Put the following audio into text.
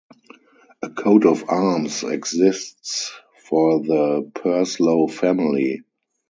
A coat of arms exists for the Purslow family.